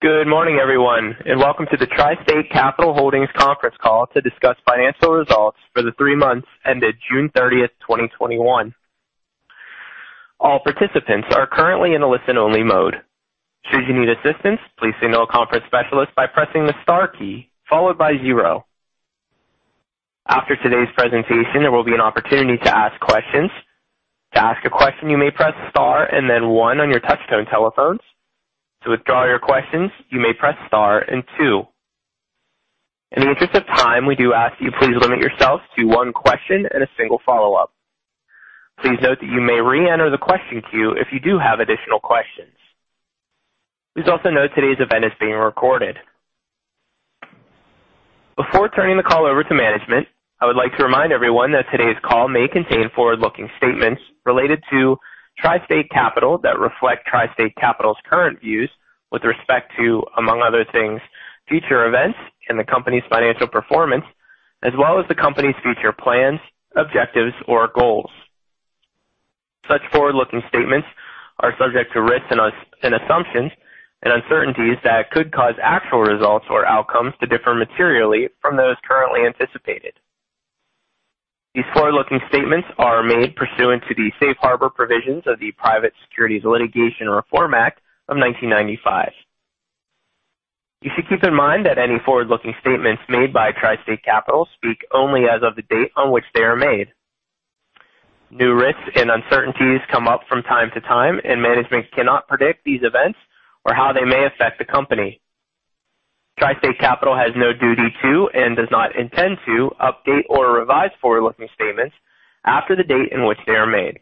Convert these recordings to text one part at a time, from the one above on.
Good morning, everyone, and welcome to the TriState Capital Holdings conference call to discuss financial results for the three months ended June 30th, 2021. All participants are currently in a listen-only mode. Should you need assistance, please signal conference specialist by pressing the star key followed by zero. After today's presentation, there will be an opportunity to ask questions. To ask a question, you may press star and then one on your touch-tone telephone. To withdraw your questions, you may press star and two. In the interest of time, we do ask to please limit yourself to one question and a single follow-up. Please note you may ring another question queue if you do have additional question. Please also note that today's call is being recorded. Before turning the call over to management, I would like to remind everyone that today's call may contain forward-looking statements related to TriState Capital that reflect TriState Capital's current views with respect to, among other things, future events and the company's financial performance, as well as the company's future plans, objectives, or goals. Such forward-looking statements are subject to risks and assumptions and uncertainties that could cause actual results or outcomes to differ materially from those currently anticipated. These forward-looking statements are made pursuant to the Safe Harbor provisions of the Private Securities Litigation Reform Act of 1995. You should keep in mind that any forward-looking statements made by TriState Capital speak only as of the date on which they are made. New risks and uncertainties come up from time to time, and management cannot predict these events or how they may affect the company. TriState Capital has no duty to and does not intend to update or revise forward-looking statements after the date in which they are made.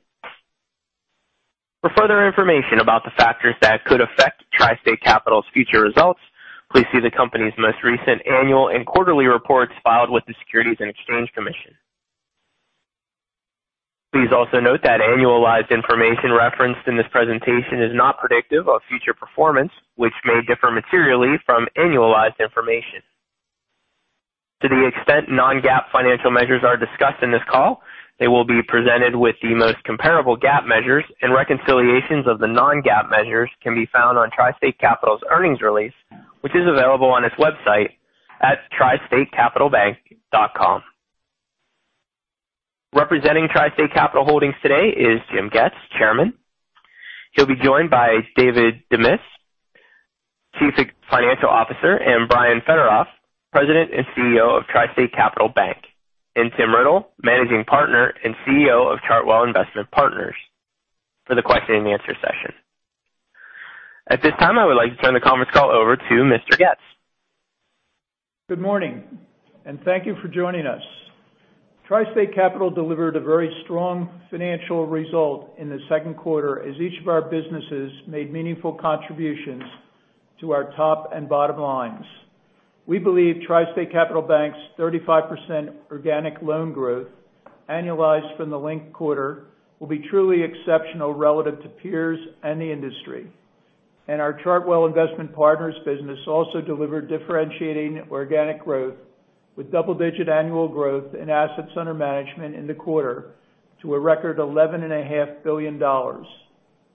For further information about the factors that could affect TriState Capital's future results, please see the company's most recent annual and quarterly reports filed with the Securities and Exchange Commission. Please also note that annualized information referenced in this presentation is not predictive of future performance, which may differ materially from annualized information. To the extent non-GAAP financial measures are discussed in this call, they will be presented with the most comparable GAAP measures and reconciliations of the non-GAAP measures can be found on TriState Capital's earnings release, which is available on its website at tristatecapitalbank.com. Representing TriState Capital Holdings today is Jim Getz, Chairman. He'll be joined by David Demas, Chief Financial Officer, and Brian Fetterolf, President and CEO of TriState Capital Bank, and Tim Riddle, Managing Partner and CEO of Chartwell Investment Partners for the question-and-answer session. At this time, I would like to turn the conference call over to Mr. Getz. Good morning, and thank you for joining us. TriState Capital delivered a very strong financial result in the second quarter as each of our businesses made meaningful contributions to our top and bottom lines. We believe TriState Capital Bank's 35% organic loan grow th annualized from the linked quarter will be truly exceptional relative to peers and the industry. Our Chartwell Investment Partners business also delivered differentiating organic growth with double-digit annual growth in assets under management in the quarter to a record $11.5 billion.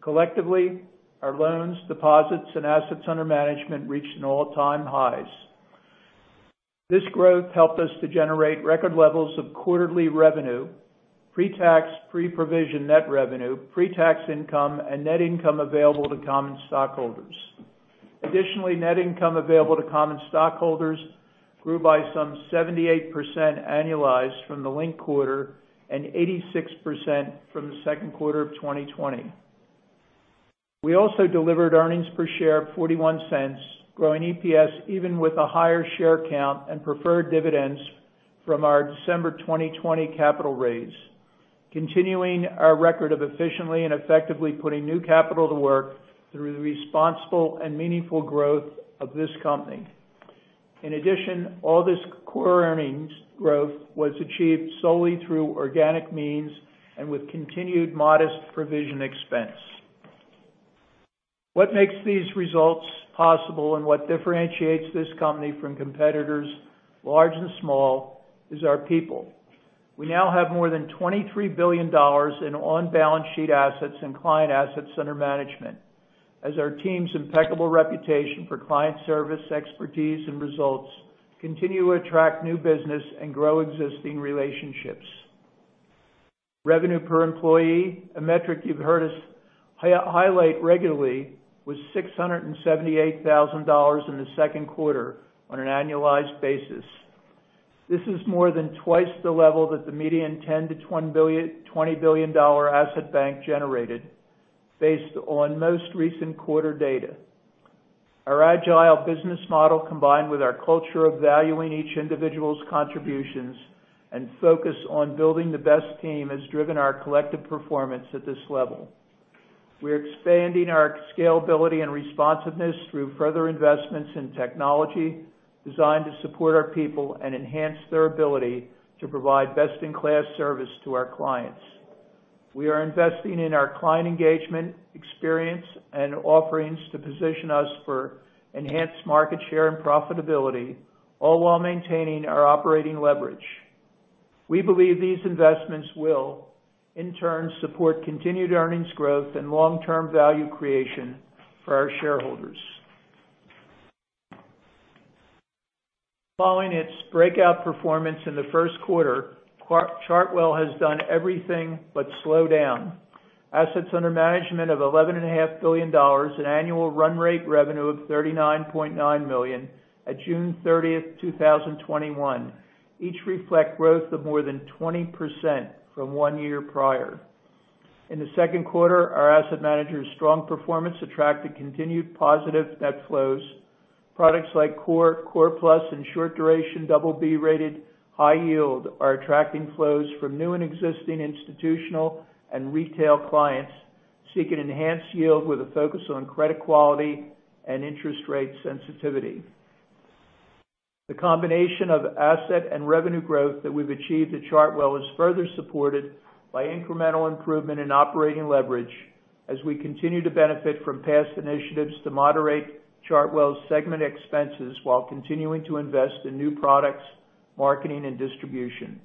Collectively, our loans, deposits, and assets under management reached all-time highs. This growth helped us to generate record levels of quarterly revenue, pre-tax, pre-provision net revenue, pre-tax income, and net income available to common stockholders. Additionally, net income available to common stockholders grew by some 78% annualized from the linked quarter and 86% from the second quarter of 2020. We also delivered earnings per share of $0.41, growing EPS even with a higher share count and preferred dividends from our December 2020 capital raise, continuing our record of efficiently and effectively putting new capital to work through the responsible and meaningful growth of this company. All this core earnings growth was achieved solely through organic means and with continued modest provision expense. What makes these results possible and what differentiates this company from competitors, large and small, is our people. We now have more than $23 billion in on-balance sheet assets and client assets under management as our team's impeccable reputation for client service, expertise, and results continue to attract new business and grow existing relationships. Revenue per employee, a metric you've heard us highlight regularly, was $678,000 in the second quarter on an annualized basis. This is more than twice the level that the median $10 billion-$20 billion asset bank generated based on most recent quarter data. Our agile business model, combined with our culture of valuing each individual's contributions and focus on building the best team, has driven our collective performance at this level. We're expanding our scalability and responsiveness through further investments in technology designed to support our people and enhance their ability to provide best-in-class service to our clients. We are investing in our client engagement experience and offerings to position us for enhanced market share and profitability, all while maintaining our operating leverage. We believe these investments will, in turn, support continued earnings growth and long-term value creation for our shareholders. Following its breakout performance in the first quarter, Chartwell has done everything but slow down. Assets under management of $11.5 billion, an annual run rate revenue of $39.9 million at June 30th, 2021, each reflect growth of more than 20% from one year prior. In the second quarter, our asset manager's strong performance attracted continued positive net flows. Products like Core Plus, and Short Duration BB-Rated High Yield are attracting flows from new and existing institutional and retail clients seeking enhanced yield with a focus on credit quality and interest rate sensitivity. The combination of asset and revenue growth that we've achieved at Chartwell is further supported by incremental improvement in operating leverage as we continue to benefit from past initiatives to moderate Chartwell's segment expenses while continuing to invest in new products, marketing, and distribution.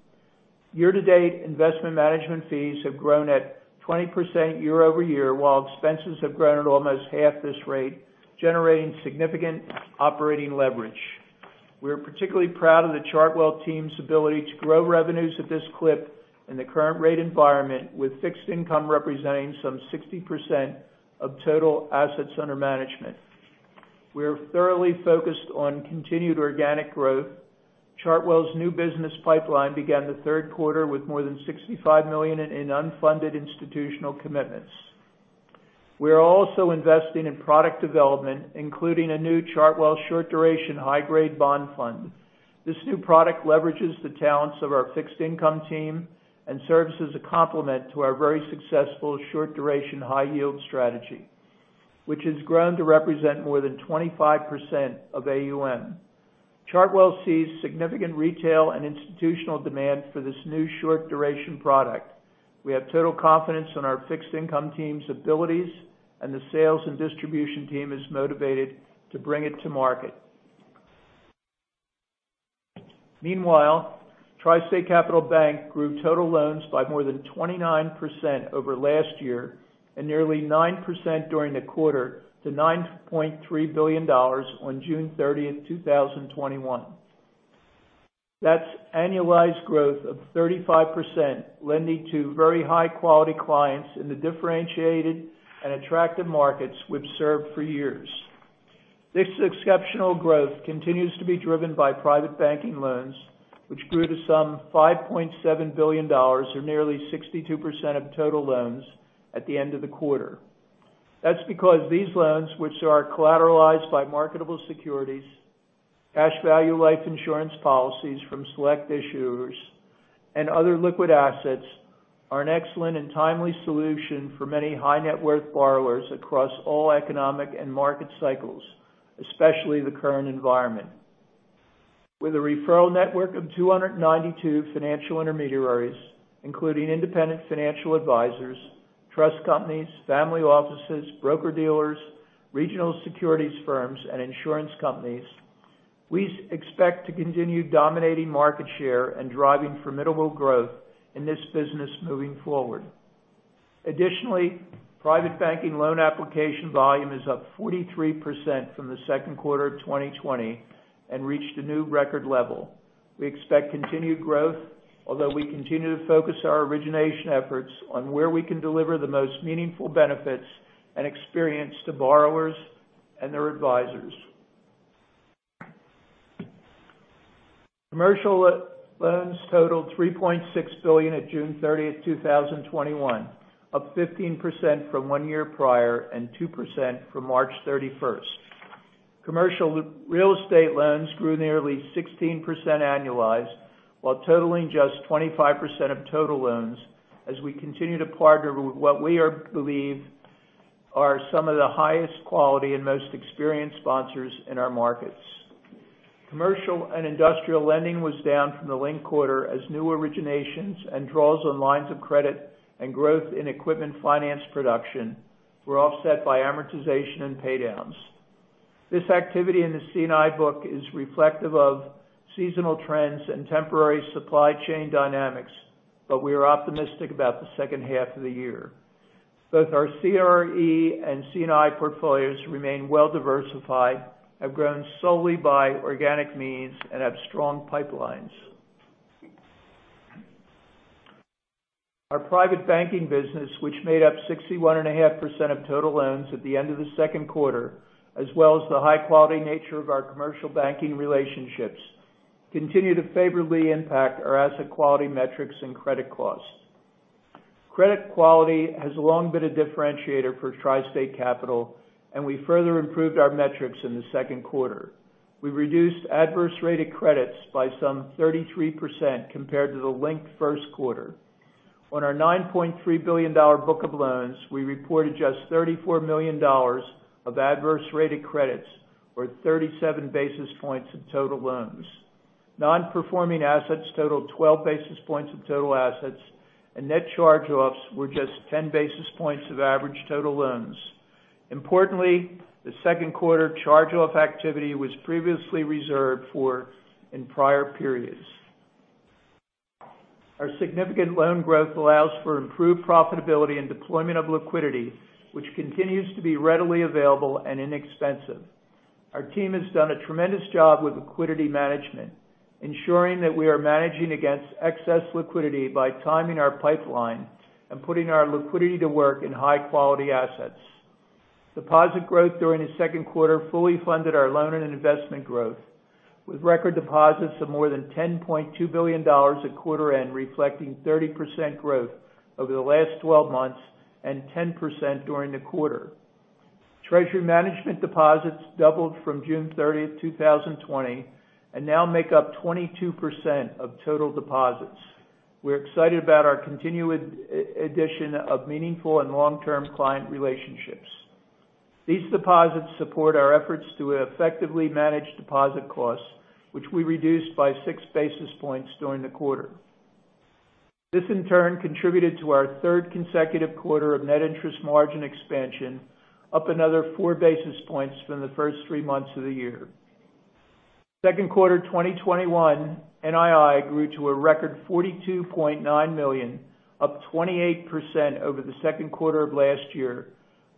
Year to date, investment management fees have grown at 20% year-over-year, while expenses have grown at almost half this rate, generating significant operating leverage. We are particularly proud of the Chartwell team's ability to grow revenues at this clip in the current rate environment, with fixed income representing some 60% of total assets under management. We are thoroughly focused on continued organic growth. Chartwell's new business pipeline began the third quarter with more than $65 million in unfunded institutional commitments. We are also investing in product development, including a new Chartwell Short Duration Bond Fund. This new product leverages the talents of our fixed income team and serves as a complement to our very successful Short Duration High Yield strategy, which has grown to represent more than 25% of AUM. Chartwell sees significant retail and institutional demand for this new short duration product. We have total confidence in our fixed income team's abilities, and the sales and distribution team is motivated to bring it to market. Meanwhile, TriState Capital Bank grew total loans by more than 29% over last year and nearly 9% during the quarter to $9.3 billion on June 30th, 2021. That's annualized growth of 35%, lending to very high-quality clients in the differentiated and attractive markets we've served for years. This exceptional growth continues to be driven by private banking loans, which grew to some $5.7 billion or nearly 62% of total loans at the end of the quarter. That's because these loans, which are collateralized by marketable securities, cash value life insurance policies from select issuers, and other liquid assets, are an excellent and timely solution for many high-net-worth borrowers across all economic and market cycles, especially the current environment. With a referral network of 292 financial intermediaries, including independent financial advisors, trust companies, family offices, broker-dealers, regional securities firms, and insurance companies, we expect to continue dominating market share and driving formidable growth in this business moving forward. Additionally, private banking loan application volume is up 43% from the second quarter of 2020 and reached a new record level. We expect continued growth, although we continue to focus our origination efforts on where we can deliver the most meaningful benefits and experience to borrowers and their advisors. Commercial loans totaled $3.6 billion on June 30th, 2021, up 15% from one year prior and 2% from March 31st. Commercial real estate loans grew nearly 16% annualized while totaling just 25% of total loans as we continue to partner with what we believe are some of the highest quality and most experienced sponsors in our markets. Commercial and industrial lending was down from the linked quarter as new originations and draws on lines of credit and growth in equipment finance production were offset by amortization and paydowns. This activity in the C&I book is reflective of seasonal trends and temporary supply chain dynamics, but we are optimistic about the second half of the year. Both our CRE and C&I portfolios remain well-diversified, have grown solely by organic means, and have strong pipelines. Our private banking business, which made up 61.5% of total loans at the end of the second quarter, as well as the high-quality nature of our commercial banking relationships, continue to favorably impact our asset quality metrics and credit costs. Credit quality has long been a differentiator for TriState Capital, and we further improved our metrics in the second quarter. We reduced adverse rated credits by some 33% compared to the linked first quarter. On our $9.3 billion book of loans, we reported just $34 million of adverse rated credits or 37 basis points of total loans. Non-performing assets totaled 12 basis points of total assets, net charge-offs were just 10 basis points of average total loans. Importantly, the second quarter charge-off activity was previously reserved for in prior periods. Our significant loan growth allows for improved profitability and deployment of liquidity, which continues to be readily available and inexpensive. Our team has done a tremendous job with liquidity management, ensuring that we are managing against excess liquidity by timing our pipeline and putting our liquidity to work in high-quality assets. Deposit growth during the second quarter fully funded our loan and investment growth, with record deposits of more than $10.2 billion at quarter end, reflecting 30% growth over the last 12 months and 10% during the quarter. Treasury Management deposits doubled from June 30th, 2020 and now make up 22% of total deposits. We're excited about our continued addition of meaningful and long-term client relationships. These deposits support our efforts to effectively manage deposit costs, which we reduced by 6 basis points during the quarter. This, in turn, contributed to our third consecutive quarter of net interest margin expansion, up another 4 basis points from the first three months of the year. Second quarter 2021, NII grew to a record $42.9 million, up 28% over the second quarter of last year,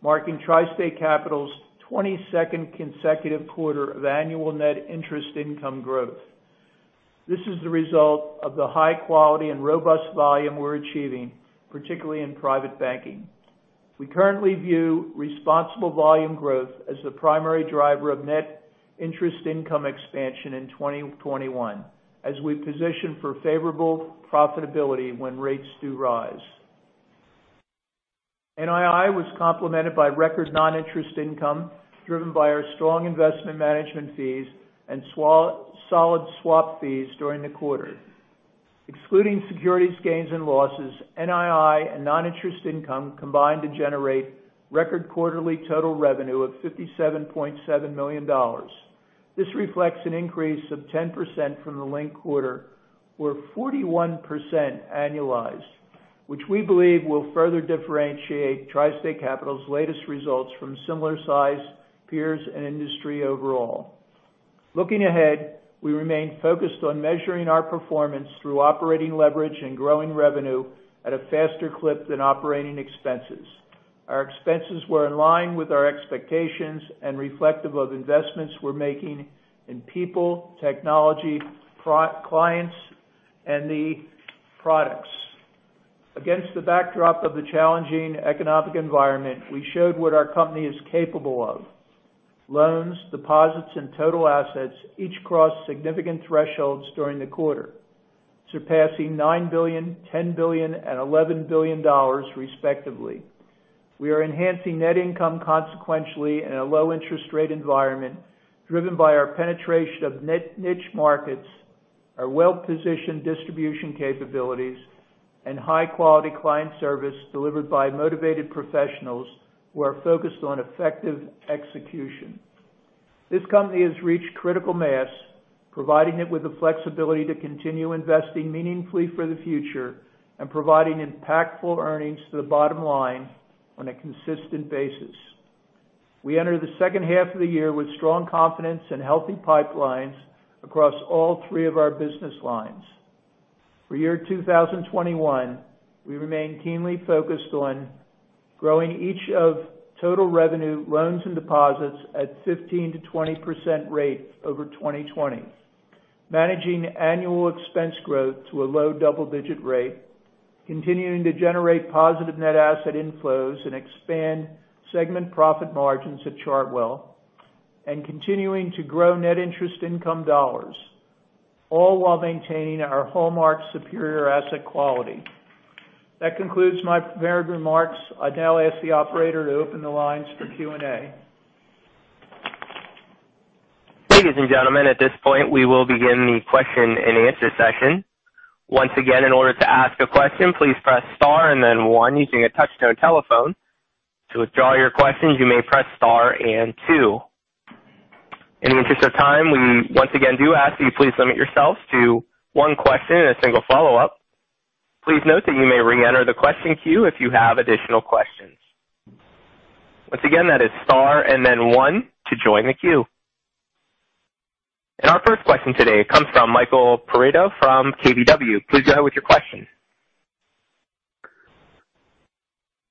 marking TriState Capital's 22nd consecutive quarter of annual net interest income growth. This is the result of the high quality and robust volume we're achieving, particularly in private banking. We currently view responsible volume growth as the primary driver of net interest income expansion in 2021, as we position for favorable profitability when rates do rise. NII was complemented by record non-interest income, driven by our strong investment management fees and solid swap fees during the quarter. Excluding securities gains and losses, NII and non-interest income combined to generate record quarterly total revenue of $57.7 million. This reflects an increase of 10% from the linked quarter or 41% annualized, which we believe will further differentiate TriState Capital's latest results from similar-sized peers and industry overall. Looking ahead, we remain focused on measuring our performance through operating leverage and growing revenue at a faster clip than operating expenses. Our expenses were in line with our expectations and reflective of investments we're making in people, technology, clients, and the products. Against the backdrop of the challenging economic environment, we showed what our company is capable of. Loans, deposits, and total assets each crossed significant thresholds during the quarter, surpassing $9 billion, $10 billion and $11 billion respectively. We are enhancing net income consequentially in a low interest rate environment, driven by our penetration of niche markets, our well-positioned distribution capabilities, and high-quality client service delivered by motivated professionals who are focused on effective execution. This company has reached critical mass, providing it with the flexibility to continue investing meaningfully for the future and providing impactful earnings to the bottom line on a consistent basis. We enter the second half of the year with strong confidence and healthy pipelines across all three of our business lines. For year 2021, we remain keenly focused on growing each of total revenue, loans, and deposits at 15%-20% rate over 2020. Managing annual expense growth to a low double-digit rate, continuing to generate positive net asset inflows, and expand segment profit margins at Chartwell, and continuing to grow net interest income dollars, all while maintaining our hallmark superior asset quality. That concludes my prepared remarks. I now ask the operator to open the lines for Q&A. Ladies and gentlemen, at this point, we will begin the question-and-answer session. Once again, in order to ask a question, please press star and then one using a touch-tone telephone. To withdraw your questions, you may press star and two. In the interest of time, we once again do ask you please limit yourselves to one question and a single follow-up. Please note that you may re-enter the question queue if you have additional questions. Once again, that is star and then one to join the queue. Our first question today comes from Michael Perito from KBW. Please go ahead with your question.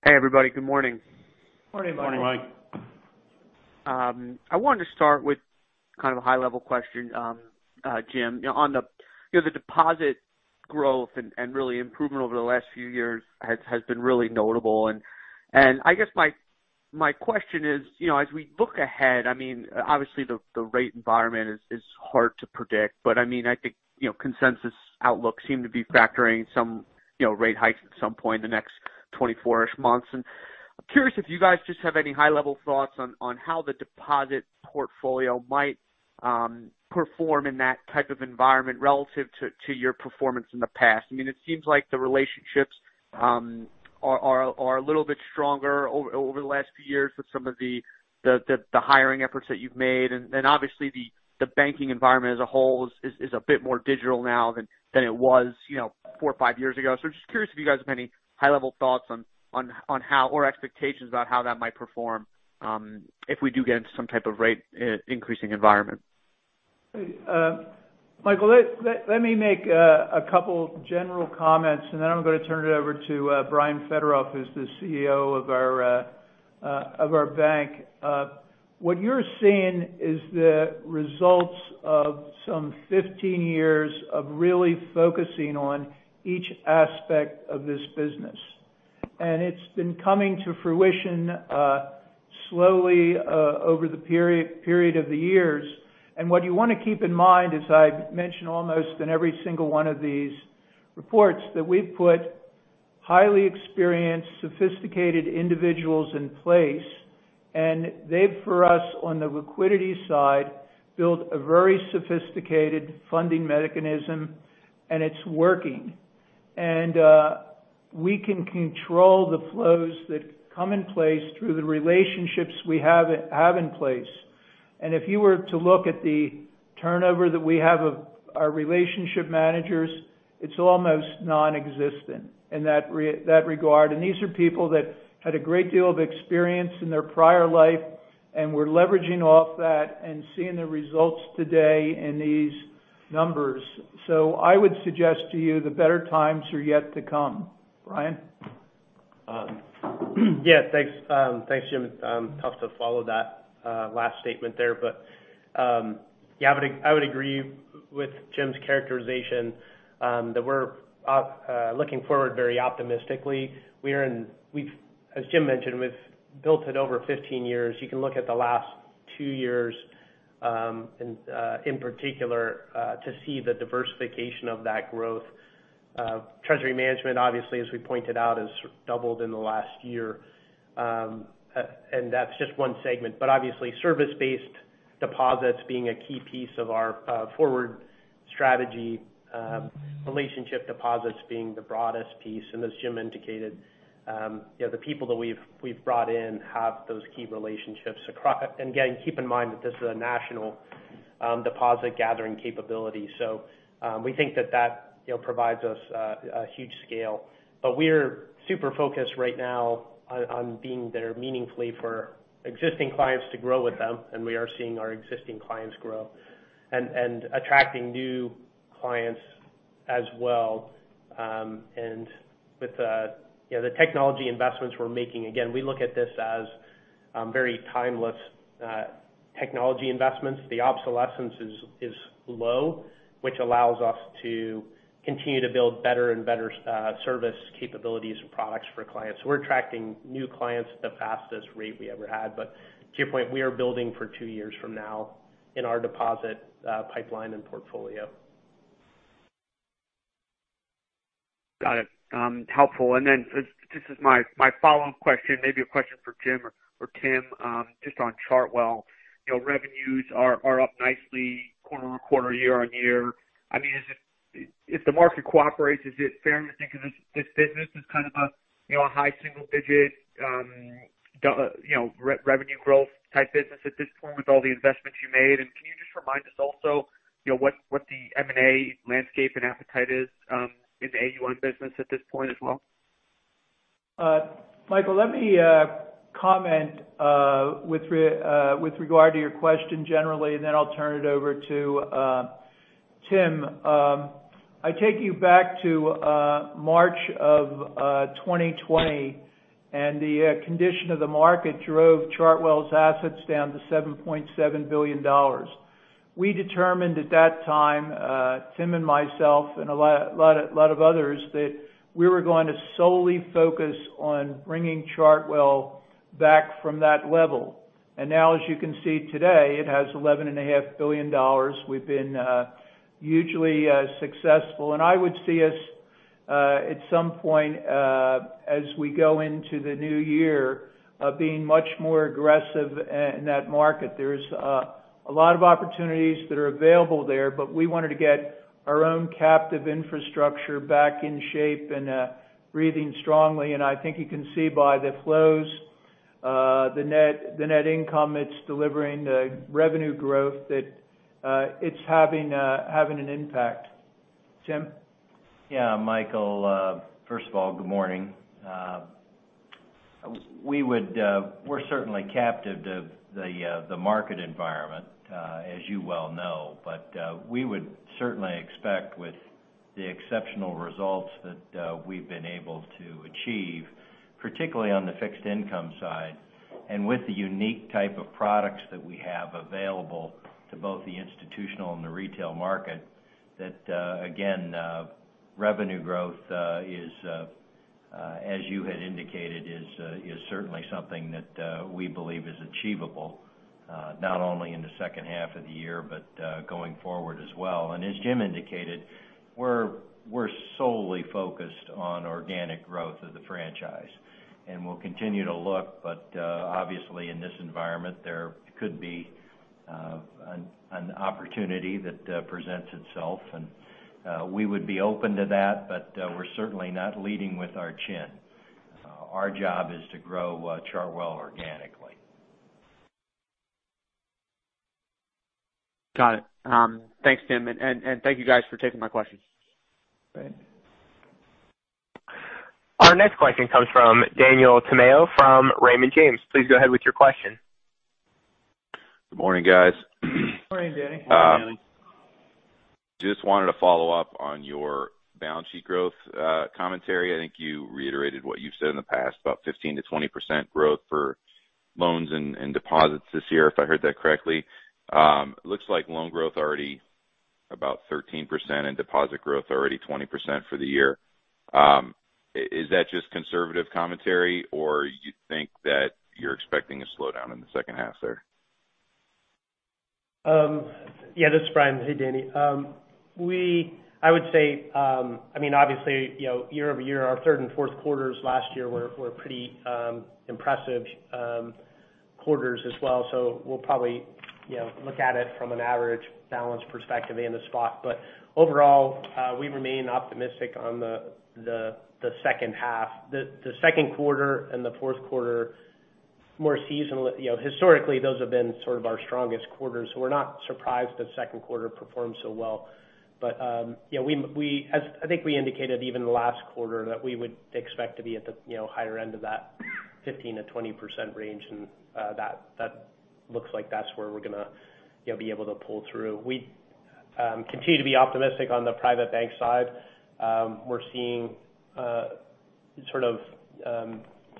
Hey, everybody. Good morning. Morning, Michael. Morning, Michael. I wanted to start with kind of a high-level question, Jim. On the deposit growth really improvement over the last few years has been really notable. I guess my question is, as we look ahead, obviously the rate environment is hard to predict, but I think consensus outlook seem to be factoring some rate hikes at some point in the next 24-ish months. I'm curious if you guys just have any high-level thoughts on how the deposit portfolio might perform in that type of environment relative to your performance in the past. It seems like the relationships are a little bit stronger over the last few years with some of the The hiring efforts that you've made, obviously the banking environment as a whole is a bit more digital now than it was four or five years ago. Just curious if you guys have any high-level thoughts on how, or expectations about how that might perform if we do get into some type of rate increasing environment. Michael, let me make a couple general comments and then I'm going to turn it over to Brian Fetterolf, who's the CEO of our bank. What you're seeing is the results of some 15 years of really focusing on each aspect of this business. It's been coming to fruition slowly over the period of the years. What you want to keep in mind, as I mention almost in every single one of these reports, that we've put highly experienced, sophisticated individuals in place, and they've, for us on the liquidity side, built a very sophisticated funding mechanism, and it's working. We can control the flows that come in place through the relationships we have in place. If you were to look at the turnover that we have of our relationship managers, it's almost non-existent in that regard. These are people that had a great deal of experience in their prior life, and we're leveraging off that and seeing the results today in these numbers. I would suggest to you that better times are yet to come. Brian? Yeah. Thanks, Jim. Tough to follow that last statement there, but I would agree with Jim's characterization that we're looking forward very optimistically. As Jim mentioned, we've built it over 15 years. You can look at the last two years in particular to see the diversification of that growth. Treasury Management, obviously, as we pointed out, has doubled in the last year. That's just one segment, but obviously service-based deposits being a key piece of our forward strategy, relationship deposits being the broadest piece. As Jim indicated, the people that we've brought in have those key relationships. Again, keep in mind that this is a national deposit-gathering capability. We think that that provides us a huge scale. We're super focused right now on being there meaningfully for existing clients to grow with them, and we are seeing our existing clients grow. Attracting new clients as well. With the technology investments we're making, again, we look at this as very timeless technology investments. The obsolescence is low, which allows us to continue to build better and better service capabilities and products for clients. We're attracting new clients at the fastest rate we ever had. To your point, we are building for two years from now in our deposit pipeline and portfolio. Got it. Helpful. Then this is my follow-up question, maybe a question for Jim or Tim, just on Chartwell. Revenues are up nicely quarter-on-quarter, year-on-year. If the market cooperates, is it fair to think of this business as kind of a high single-digit revenue growth type business at this point with all the investments you made? Can you just remind us also what the M&A landscape and appetite is in the AUM business at this point as well? Michael, let me comment with regard to your question generally, and then I'll turn it over to Tim. I take you back to March of 2020 and the condition of the market drove Chartwell's assets down to $7.7 billion. We determined at that time, Tim and myself and a lot of others, that we were going to solely focus on bringing Chartwell back from that level. Now, as you can see today, it has $11.5 billion. We've been hugely successful. I would see us, at some point as we go into the new year, being much more aggressive in that market. There's a lot of opportunities that are available there, but we wanted to get our own captive infrastructure back in shape and breathing strongly. I think you can see by the flows, the net income it's delivering, the revenue growth, that it's having an impact. Tim? Yeah. Michael, first of all, good morning. We're certainly captive to the market environment, as you well know. We would certainly expect with the exceptional results that we've been able to achieve, particularly on the fixed income side, and with the unique type of products that we have available to both the institutional and the retail market, that again, revenue growth is, as you had indicated, certainly something that we believe is achievable not only in the second half of the year, but going forward as well. As Jim indicated, we're solely focused on organic growth of the franchise, and we'll continue to look. Obviously in this environment, there could be An opportunity that presents itself, and we would be open to that, but we're certainly not leading with our chin. Our job is to grow Chartwell organically. Got it. Thanks, Tim, and thank you guys for taking my questions. Right. Our next question comes from Daniel Tamayo from Raymond James. Please go ahead with your question. Good morning, guys. Morning, Danny. Morning, Daniel. Just wanted to follow up on your balance sheet growth commentary. I think you reiterated what you've said in the past about 15%-20% growth for loans and deposits this year, if I heard that correctly. Looks like loan growth already about 13% and deposit growth already 20% for the year. Is that just conservative commentary, or you think that you're expecting a slowdown in the second half there? This is Brian. Hey, Daniel. I would say, obviously, year-over-year, our third and fourth quarters last year were pretty impressive quarters as well. We'll probably look at it from an average balance perspective in the spot. Overall, we remain optimistic on the second half. The seconnd quarter and the fourth quarter, historically, those have been sort of our strongest quarters. We're not surprised that second quarter performed so well. I think we indicated even the last quarter that we would expect to be at the higher end of that 15%-20% range, and that looks like that's where we're going to be able to pull through. We continue to be optimistic on the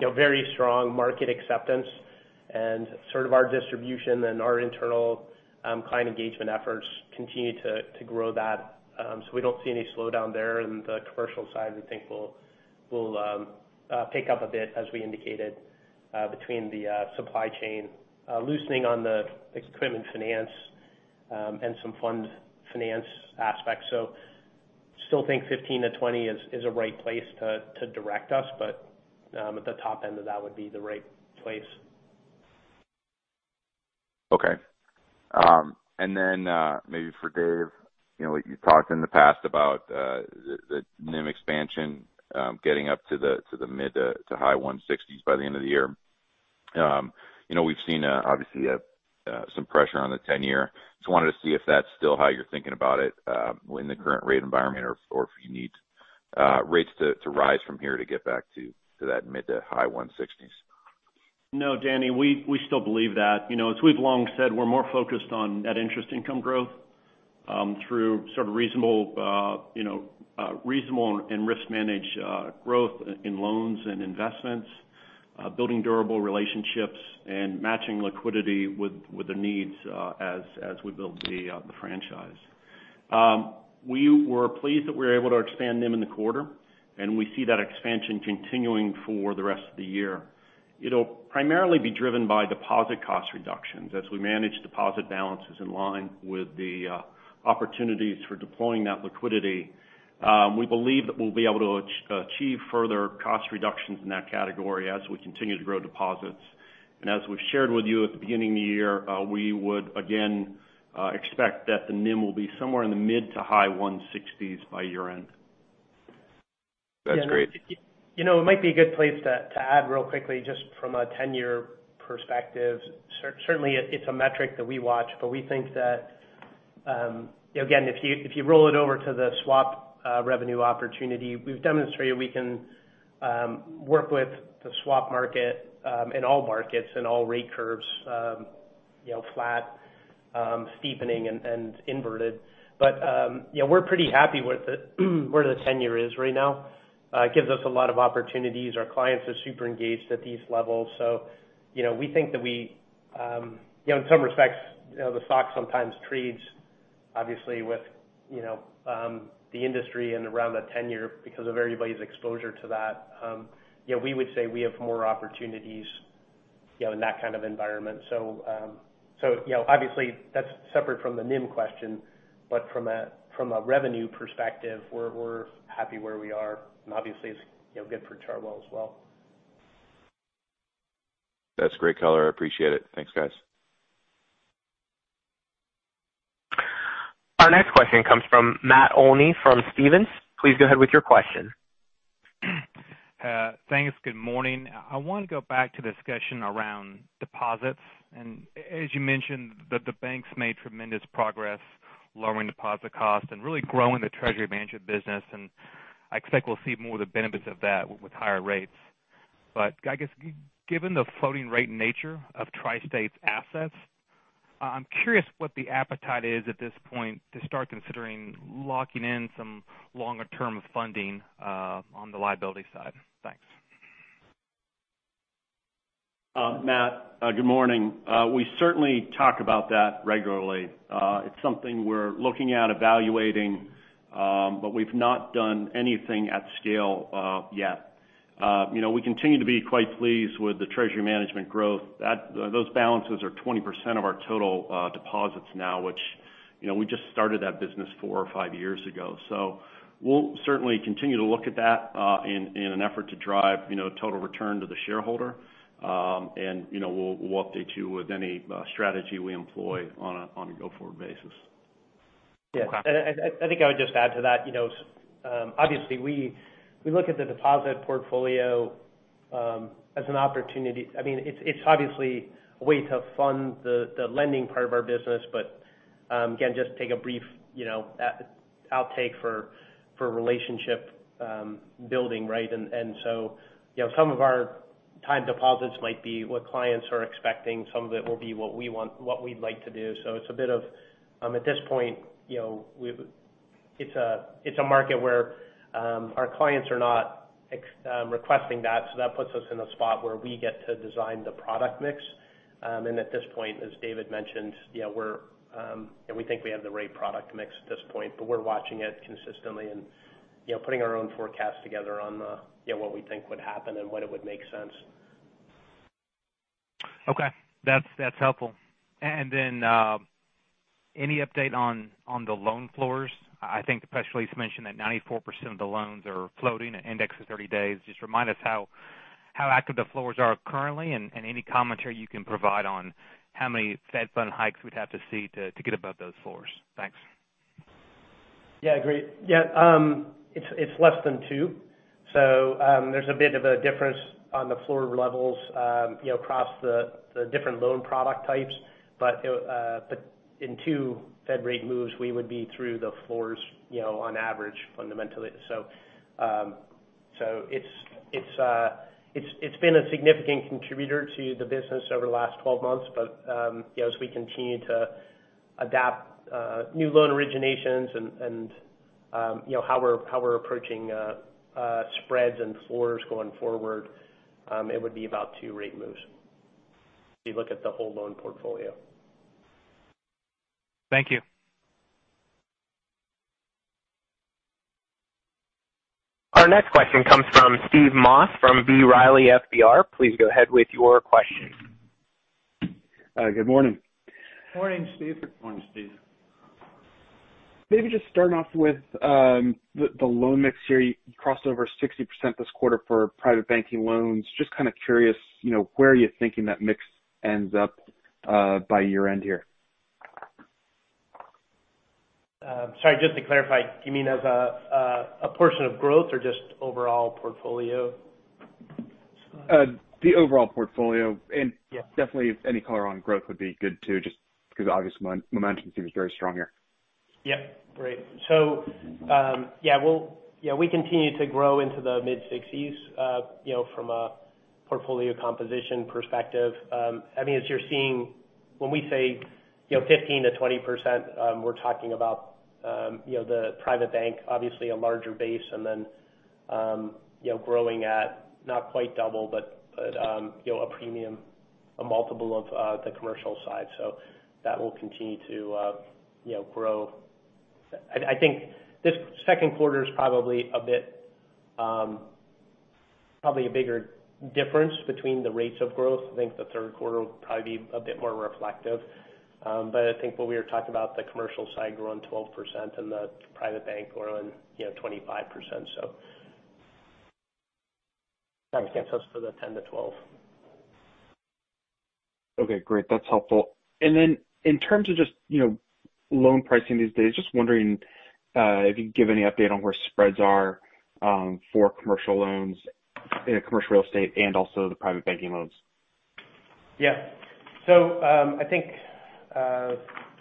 private bank side. We're seeing very strong market acceptance and sort of our distribution and our internal client engagement efforts continue to grow that. We don't see any slowdown there. In the commercial side, we think will pick up a bit as we indicated between the supply chain loosening on the equipment finance and some fund finance aspects. Still think 15%-20% is a right place to direct us, but at the top end of that would be the right place. Okay. Maybe for Dave, you talked in the past about the NIM expansion getting up to the mid to high 160s by the end of the year. We've seen obviously some pressure on the 10-year. Just wanted to see if that's still how you're thinking about it in the current rate environment or if you need rates to rise from here to get back to that mid to high 160s. No, Danny. We still believe that. As we've long said, we're more focused on net interest income growth through sort of reasonable and risk-managed growth in loans and investments, building durable relationships and matching liquidity with the needs as we build the franchise. We were pleased that we were able to expand NIM in the quarter, and we see that expansion continuing for the rest of the year. It'll primarily be driven by deposit cost reductions as we manage deposit balances in line with the opportunities for deploying that liquidity. We believe that we'll be able to achieve further cost reductions in that category as we continue to grow deposits. As we've shared with you at the beginning of the year, we would again expect that the NIM will be somewhere in the mid to high 160s by year-end. That's great. It might be a good place to add real quickly, just from a 10-year perspective. Certainly, it's a metric that we watch, we think that again, if you roll it over to the swap revenue opportunity, we've demonstrated we can work with the swap market in all markets and all rate curves, flat, steepening and inverted. We're pretty happy with where the tenure is right now. It gives us a lot of opportunities. Our clients are super engaged at these levels. We think that in some respects, the stock sometimes trades obviously with the industry and around the tenure because of everybody's exposure to that. We would say we have more opportunities in that kind of environment. Obviously that's separate from the NIM question, but from a revenue perspective, we're happy where we are and obviously it's good for Chartwell as well. That's great color. I appreciate it. Thanks, guys. Our next question comes from Matt Olney from Stephens. Please go ahead with your question. Thanks. Good morning. I want to go back to the discussion around deposits. As you mentioned, the banks made tremendous progress lowering deposit costs and really growing the Treasury Management business. I expect we'll see more of the benefits of that with higher rates. I guess given the floating rate nature of TriState's assets, I'm curious what the appetite is at this point to start considering locking in some longer-term funding on the liability side. Thanks. Matt, good morning. We certainly talk about that regularly. It's something we're looking at evaluating but we've not done anything at scale yet. We continue to be quite pleased with the Treasury Management growth. Those balances are 20% of our total deposits now. We just started that business four or five years ago. We'll certainly continue to look at that in an effort to drive total return to the shareholder. We'll update you with any strategy we employ on a go-forward basis. Yes. I think I would just add to that. Obviously, we look at the deposit portfolio as an opportunity. It's obviously a way to fund the lending part of our business. Again, just take a brief outtake for relationship building, right? Some of our time deposits might be what clients are expecting. Some of it will be what we'd like to do. At this point it's a market where our clients are not requesting that, so that puts us in a spot where we get to design the product mix. At this point, as David mentioned, we think we have the right product mix at this point. We're watching it consistently and putting our own forecast together on what we think would happen and when it would make sense. Okay. That's helpful. Any update on the loan floors? I think the press release mentioned that 94% of the loans are floating at index for 30 days. Just remind us how active the floors are currently, and any commentary you can provide on how many Fed fund hikes we'd have to see to get above those floors. Thanks. Yeah, I agree. It's less than two. There's a bit of a difference on the floor levels across the different loan product types. In two Fed rate moves, we would be through the floors on average, fundamentally. It's been a significant contributor to the business over the last 12 months. As we continue to adapt new loan originations and how we're approaching spreads and floors going forward, it would be about two rate moves if you look at the whole loan portfolio. Thank you. Our next question comes from Steve Moss from B. Riley Securities. Please go ahead with your question. Good morning. Morning, Steve. Morning, Steve. Maybe just starting off with the loan mix here. You crossed over 60% this quarter for private banking loans. Just kind of curious, where are you thinking that mix ends up by year-end here? Sorry, just to clarify, you mean as a portion of growth or just overall portfolio? The overall portfolio. Yeah. Definitely any color on growth would be good too, just because obviously momentum seems very strong here. Yeah. Great. We continue to grow into the mid-60s from a portfolio composition perspective. As you're seeing when we say 15%-20%, we're talking about the private bank, obviously a larger base, and then growing at not quite double but a premium, a multiple of the commercial side. That will continue to grow. I think this second quarter is probably a bigger difference between the rates of growth. I think the third quarter will probably be a bit more reflective. I think what we were talking about, the commercial side growing 12% and the private bank growing 25%. That stands us for the 10%-12%. Okay, great. That's helpful. In terms of just loan pricing these days, just wondering if you can give any update on where spreads are for commercial loans in a commercial real estate and also the private banking loans? Yeah. I think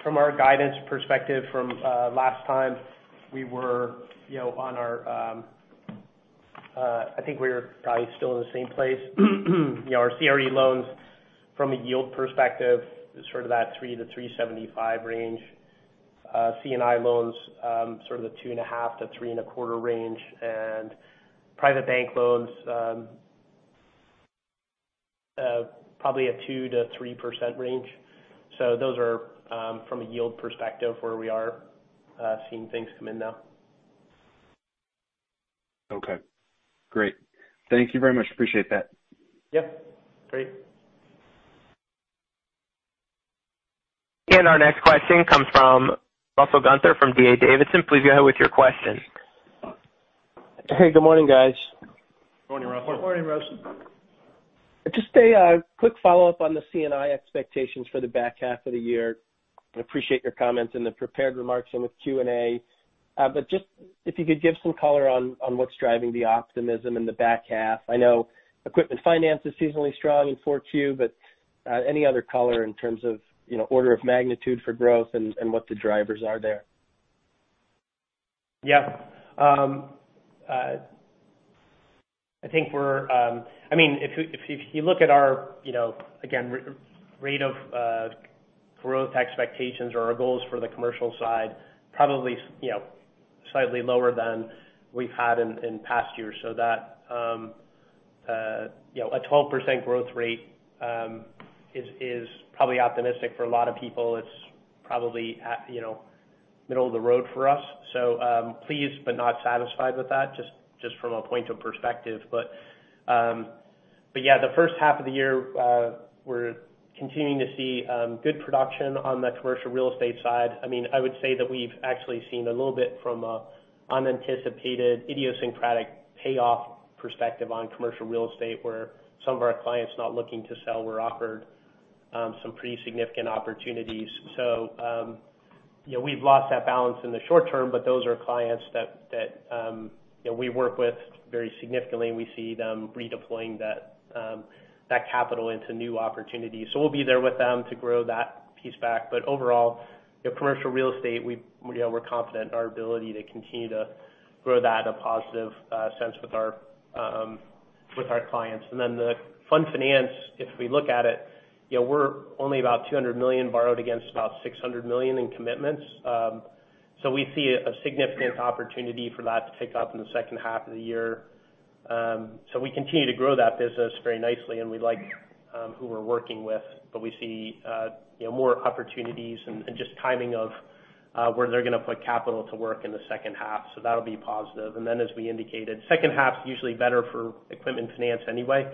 from our guidance perspective from last time, I think we're probably still in the same place. Our CRE loans from a yield perspective is sort of that 3%-3.75% range. C&I loans sort of the 2.5%-3.25% range. Private bank loans probably a 2%-3% range. Those are from a yield perspective where we are seeing things come in now. Okay. Great. Thank you very much. Appreciate that. Yeah. Great. Our next question comes from Russell Gunther from D.A. Davidson. Please go ahead with your question. Hey, good morning, guys. Morning, Russell. Morning, Russell. Just a quick follow-up on the C&I expectations for the back half of the year. I appreciate your comments in the prepared remarks and with Q&A. Just if you could give some color on what's driving the optimism in the back half. I know equipment finance is seasonally strong in Q4, but any other color in terms of order of magnitude for growth and what the drivers are there? Yeah. If you look at our rate of growth expectations or our goals for the commercial side, probably slightly lower than we've had in past years. A 12% growth rate is probably optimistic for a lot of people. It's probably middle of the road for us. Pleased but not satisfied with that, just from a point of perspective. Yeah, the first half of the year, we're continuing to see good production on the commercial real estate side. I would say that we've actually seen a little bit from an unanticipated, idiosyncratic payoff perspective on commercial real estate, where some of our clients not looking to sell were offered some pretty significant opportunities. We've lost that balance in the short term, but those are clients that we work with very significantly, and we see them redeploying that capital into new opportunities. We'll be there with them to grow that piece back. Overall, commercial real estate, we're confident in our ability to continue to grow that a positive sense with our clients. The fund finance, if we look at it, we're only about $200 million borrowed against about $600 million in commitments. We see a significant opportunity for that to pick up in the second half of the year. We continue to grow that business very nicely, and we like who we're working with, but we see more opportunities and just timing of where they're going to put capital to work in the second half. That'll be positive. As we indicated, second half's usually better for equipment finance anyway,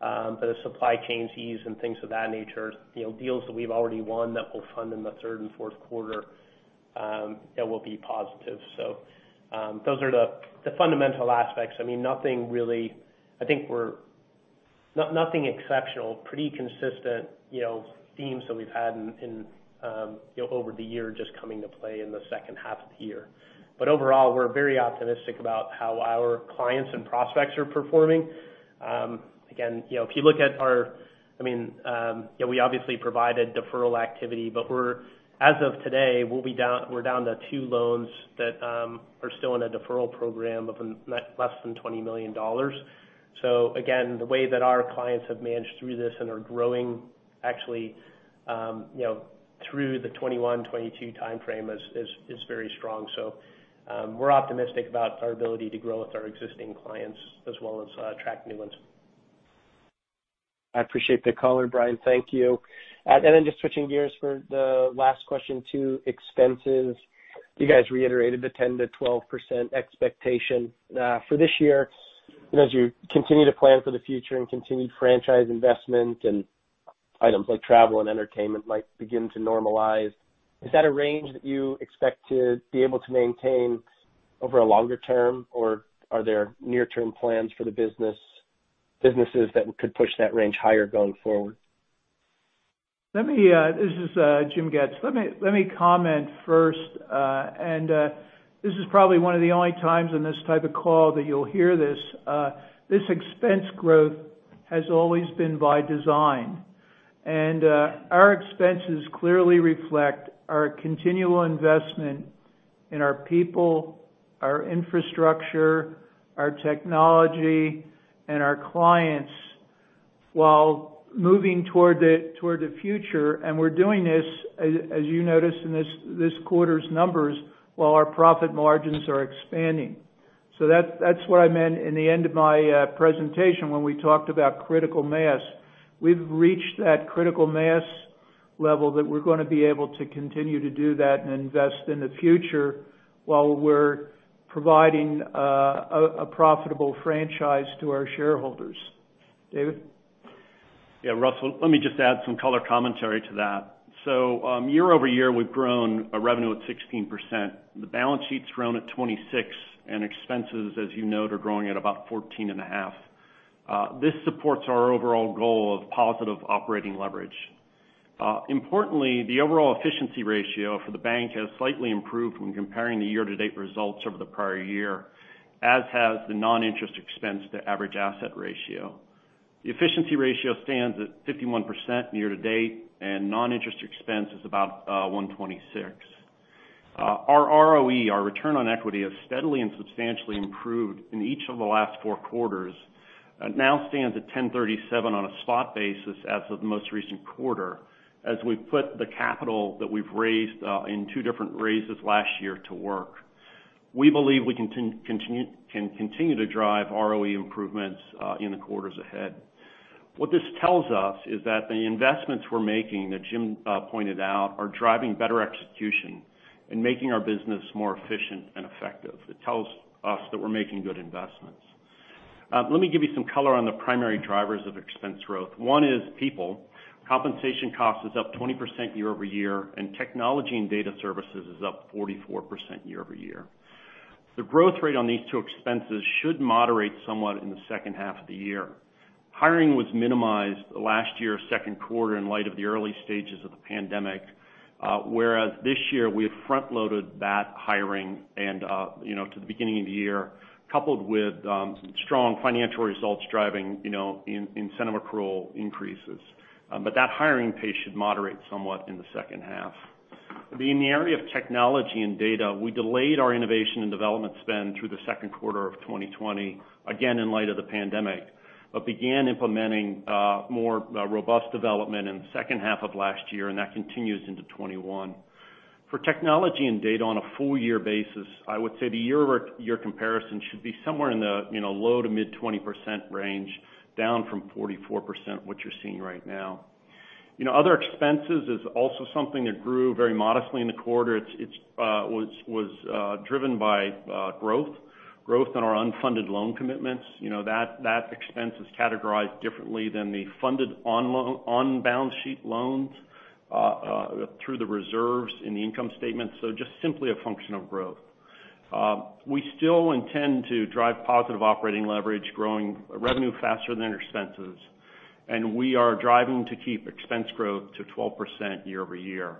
but as supply chains ease and things of that nature, deals that we've already won that will fund in the third and fourth quarter, that will be positive. Those are the fundamental aspects. Nothing exceptional. Pretty consistent themes that we've had over the year, just coming to play in the second half of the year. Overall, we're very optimistic about how our clients and prospects are performing. Again, if you look at we obviously provided deferral activity, but as of today, we're down to two loans that are still in a deferral program of less than $20 million. Again, the way that our clients have managed through this and are growing actually through the 2021, 2022 timeframe is very strong. We're optimistic about our ability to grow with our existing clients as well as attract new ones. I appreciate the color, Brian. Thank you. Just switching gears for the last question to expenses. You guys reiterated the 10%-12% expectation for this year. As you continue to plan for the future and continued franchise investment and items like travel and entertainment might begin to normalize, is that a range that you expect to be able to maintain over a longer term, or are there near-term plans for the businesses that could push that range higher going forward? This is Jim Getz. Let me comment first, this is probably one of the only times in this type of call that you'll hear this. This expense growth has always been by design. Our expenses clearly reflect our continual investment in our people, our infrastructure, our technology, and our clients while moving toward the future. We're doing this, as you noticed in this quarter's numbers, while our profit margins are expanding. That's what I meant in the end of my presentation when we talked about critical mass. We've reached that critical mass level that we're going to be able to continue to do that and invest in the future while we're providing a profitable franchise to our shareholders. David? Yeah, Russell, let me just add some color commentary to that. Year-over-year, we've grown our revenue at 16%. The balance sheet's grown at 26%, and expenses, as you note, are growing at about 14.5%. This supports our overall goal of positive operating leverage. Importantly, the overall efficiency ratio for the bank has slightly improved when comparing the year-to-date results over the prior year, as has the non-interest expense to average asset ratio. The efficiency ratio stands at 51% year-to-date, and non-interest expense is about 126. Our ROE, our return on equity, has steadily and substantially improved in each of the last four quarters. It now stands at 10.37% on a spot basis as of the most recent quarter, as we put the capital that we've raised in two different raises last year to work. We believe we can continue to drive ROE improvements in the quarters ahead. What this tells us is that the investments we're making, that Jim pointed out, are driving better execution and making our business more efficient and effective. It tells us that we're making good investments. Let me give you some color on the primary drivers of expense growth. One is people. Compensation cost is up 20% year-over-year. Technology and data services is up 44% year-over-year. The growth rate on these two expenses should moderate somewhat in the second half of the year. Hiring was minimized last year, second quarter, in light of the early stages of the pandemic. This year, we have front-loaded that hiring to the beginning of the year, coupled with strong financial results driving incentive accrual increases. That hiring pace should moderate somewhat in the second half. In the area of technology and data, we delayed our innovation and development spend through the second quarter of 2020, again in light of the pandemic, but began implementing more robust development in the second half of last year, and that continues into 2021. For technology and data on a full year basis, I would say the year-over-year comparison should be somewhere in the low to mid 20% range, down from 44%, what you're seeing right now. Other expenses is also something that grew very modestly in the quarter. It was driven by growth. Growth in our unfunded loan commitments. That expense is categorized differently than the funded on-balance sheet loans through the reserves in the income statement. Just simply a function of growth. We still intend to drive positive operating leverage, growing revenue faster than expenses, and we are driving to keep expense growth to 12% year-over-year.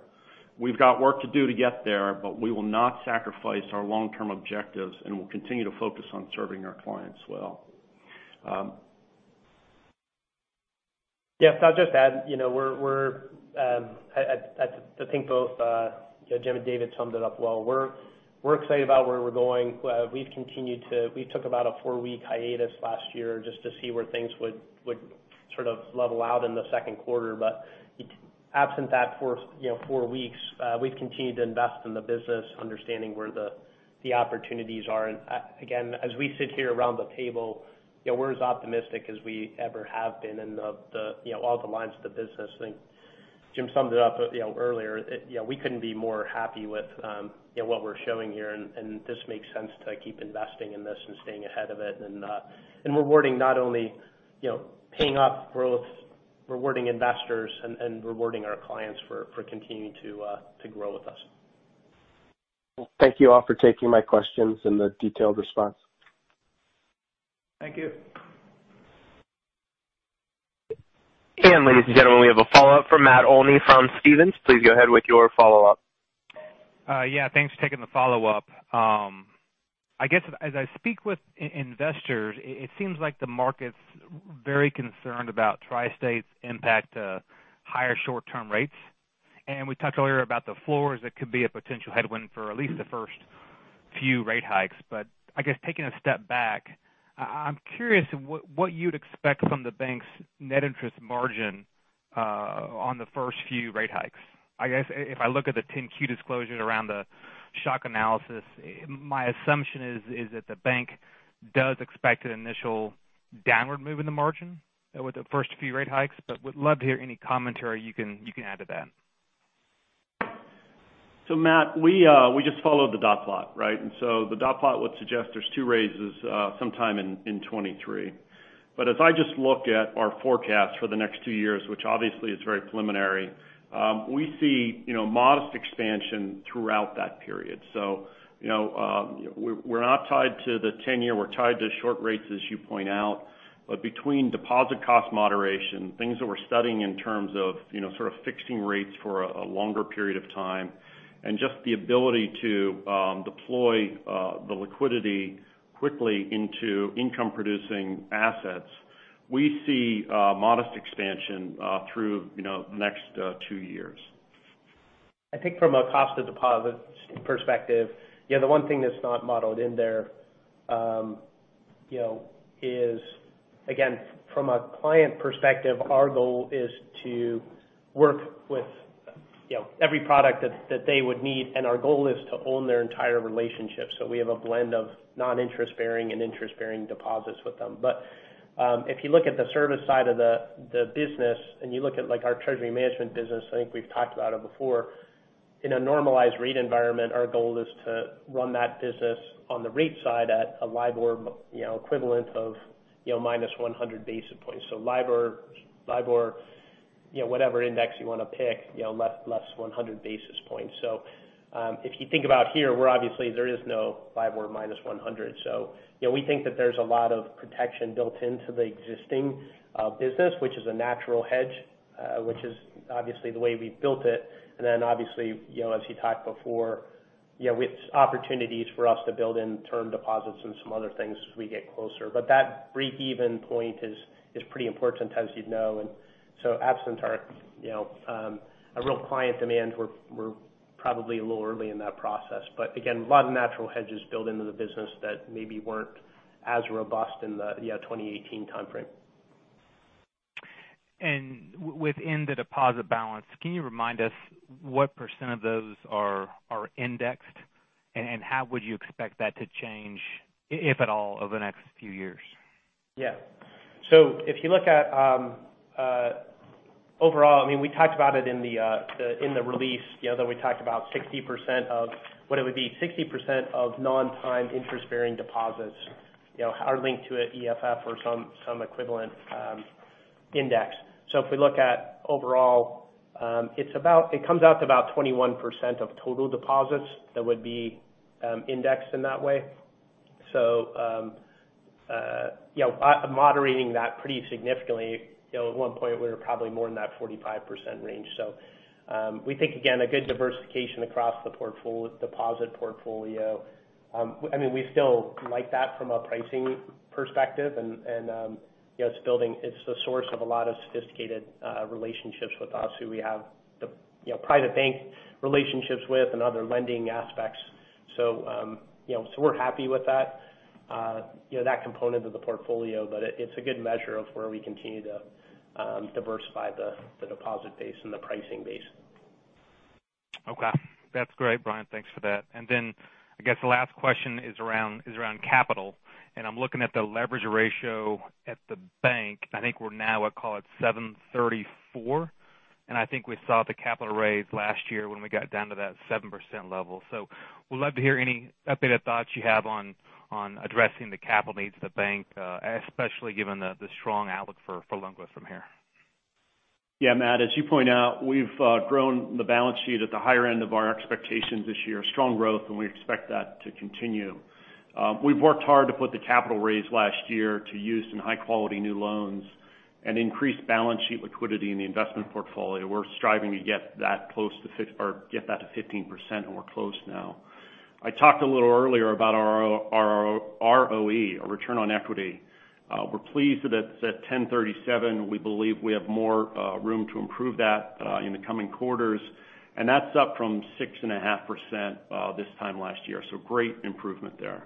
We've got work to do to get there, but we will not sacrifice our long-term objectives, and we'll continue to focus on serving our clients well. Yes. I'll just add, I think both Jim and David summed it up well. We're excited about where we're going. We took about a four-week hiatus last year just to see where things would sort of level out in the second quarter. Absent that four weeks, we've continued to invest in the business, understanding where the opportunities are. Again, as we sit here around the table, we're as optimistic as we ever have been in all the lines of the business. I think Jim summed it up earlier. We couldn't be more happy with what we're showing here, and this makes sense to keep investing in this and staying ahead of it and rewarding not only paying up growth, rewarding investors and rewarding our clients for continuing to grow with us. Well, thank you all for taking my questions and the detailed response. Thank you. Ladies and gentlemen, we have a follow-up from Matt Olney from Stephens. Please go ahead with your follow-up. Yeah. Thanks for taking the follow-up. I guess as I speak with investors, it seems like the market's very concerned about TriState's impact to higher short-term rates. We talked earlier about the floors that could be a potential headwind for at least the first few rate hikes. I guess taking a step back, I'm curious what you'd expect from the bank's net interest margin on the first few rate hikes. I guess if I look at the 10-Q disclosures around the shock analysis, my assumption is that the bank does expect an initial downward move in the margin with the first few rate hikes. Would love to hear any commentary you can add to that. Matt, we just followed the dot plot, right? The dot plot would suggest there's two raises sometime in 2023. As I just look at our forecast for the next two years, which obviously is very preliminary, we see modest expansion throughout that period. We're not tied to the 10-year, we're tied to short rates, as you point out. Between deposit cost moderation, things that we're studying in terms of sort of fixing rates for a longer period of time, and just the ability to deploy the liquidity quickly into income-producing assets. We see modest expansion through the next two years. I think from a cost of deposits perspective, the one thing that's not modeled in there is, again, from a client perspective, our goal is to work with every product that they would need, and our goal is to own their entire relationship. We have a blend of non-interest bearing and interest-bearing deposits with them. If you look at the service side of the business and you look at our Treasury Management business, I think we've talked about it before. In a normalized rate environment, our goal is to run that business on the rate side at a LIBOR equivalent of minus 100 basis points. LIBOR, whatever index you want to pick, less 100 basis points. If you think about here, obviously there is no LIBOR minus 100. We think that there's a lot of protection built into the existing business, which is a natural hedge which is obviously the way we've built it. Obviously, as you talked before, with opportunities for us to build in term deposits and some other things as we get closer. That breakeven point is pretty important, as you'd know. Absent a real client demand, we're probably a little early in that process. Again, a lot of natural hedges built into the business that maybe weren't as robust in the 2018 timeframe. Within the deposit balance, can you remind us what % of those are indexed, and how would you expect that to change, if at all, over the next few years? Yeah. If you look at overall, we talked about it in the release, that we talked about 60% of what it would be 60% of non-time interest bearing deposits are linked to an EFFR or some equivalent index. If we look at overall, it comes out to about 21% of total deposits that would be indexed in that way. Moderating that pretty significantly. At one point, we were probably more in that 45% range. We think, again, a good diversification across the deposit portfolio. We still like that from a pricing perspective. It's the source of a lot of sophisticated relationships with us who we have the private bank relationships with and other lending aspects. We're happy with that component of the portfolio, but it's a good measure of where we continue to diversify the deposit base and the pricing base. Okay. That's great, Brian. Thanks for that. I guess the last question is around capital, and I'm looking at the leverage ratio at the bank. I think we're now, I call it 7.34%, and I think we saw the capital raise last year when we got down to that 7% level. Would love to hear any updated thoughts you have on addressing the capital needs of the bank, especially given the strong outlook for loan growth from here. Yeah, Matt, as you point out, we've grown the balance sheet at the higher end of our expectations this year. Strong growth. We expect that to continue. We've worked hard to put the capital raise last year to use in high-quality new loans and increase balance sheet liquidity in the investment portfolio. We're striving to get that to 15%. We're close now. I talked a little earlier about our ROE, our return on equity. We're pleased that it's at 10.37%. We believe we have more room to improve that in the coming quarters. That's up from 6.5% this time last year. Great improvement there.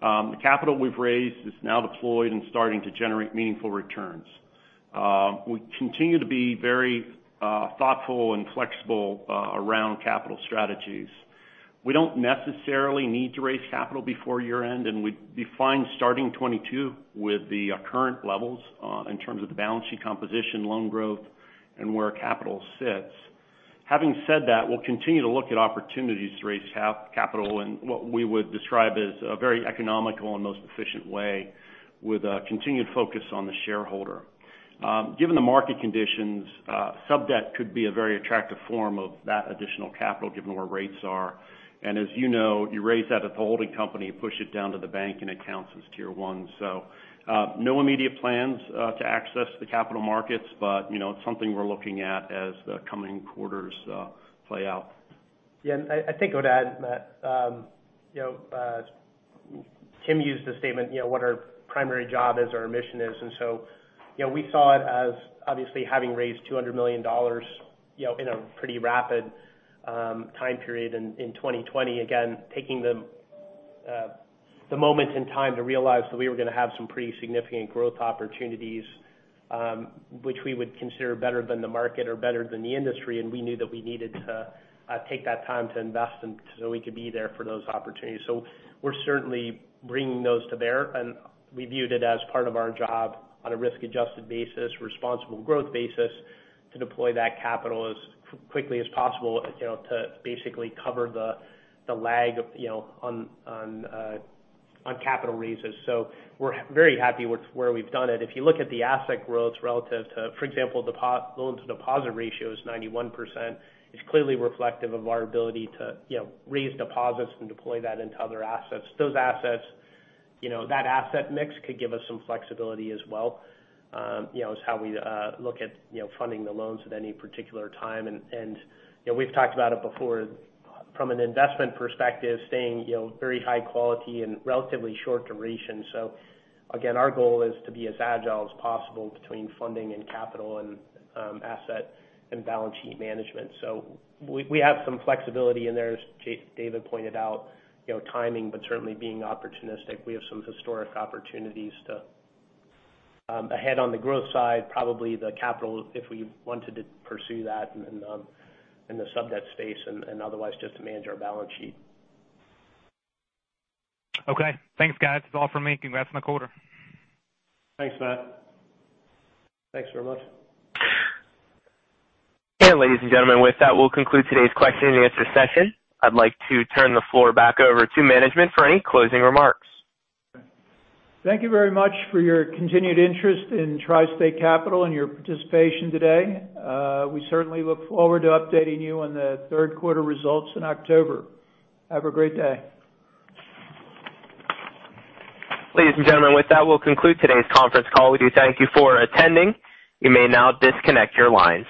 The capital we've raised is now deployed and starting to generate meaningful returns. We continue to be very thoughtful and flexible around capital strategies. We don't necessarily need to raise capital before year-end, we define starting 2022 with the current levels in terms of the balance sheet composition, loan growth, and where capital sits. Having said that, we'll continue to look at opportunities to raise capital in what we would describe as a very economical and most efficient way with a continued focus on the shareholder. Given the market conditions, sub-debt could be a very attractive form of that additional capital, given where rates are. As you know, you raise that at the holding company, you push it down to the bank and it counts as Tier 1. No immediate plans to access the capital markets, but it's something we're looking at as the coming quarters play out. I think I would add, Matt, Tim used the statement, what our primary job is, our mission is. We saw it as obviously having raised $200 million in a pretty rapid time period in 2020, again, taking the moment in time to realize that we were going to have some pretty significant growth opportunities, which we would consider better than the market or better than the industry. We knew that we needed to take that time to invest so we could be there for those opportunities. We're certainly bringing those to bear, and we viewed it as part of our job on a risk-adjusted basis, responsible growth basis, to deploy that capital as quickly as possible to basically cover the lag on capital raises. We're very happy with where we've done it. If you look at the asset growth relative to, for example, loan-to-deposit ratio is 91%, it's clearly reflective of our ability to raise deposits and deploy that into other assets. That asset mix could give us some flexibility as well as how we look at funding the loans at any particular time. We've talked about it before from an investment perspective, staying very high quality and relatively short duration. Again, our goal is to be as agile as possible between funding and capital and asset and balance sheet management. We have some flexibility in there, as David Demas pointed out, timing, but certainly being opportunistic. We have some historic opportunities to ahead on the growth side, probably the capital, if we wanted to pursue that in the sub-debt space, and otherwise just manage our balance sheet. Okay. Thanks, guys. That's all for me. Congrats on the quarter. Thanks, Matt. Thanks very much. Ladies and gentlemen, with that, we'll conclude today's question-and-answer session. I'd like to turn the floor back over to management for any closing remarks. Thank you very much for your continued interest in TriState Capital and your participation today. We certainly look forward to updating you on the third quarter results in October. Have a great day. Ladies and gentlemen, with that, we'll conclude today's conference call. We do thank you for attending. You may now disconnect your lines.